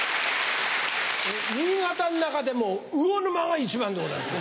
新潟の中でも魚沼が一番でございますよ。